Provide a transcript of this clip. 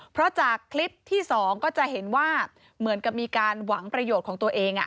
เพราะจากคลิปที่๒ก็จะเห็นว่าเหมือนกับมีการหวังประโยชน์ของตัวเอง